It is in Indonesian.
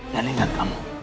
dan ingat kamu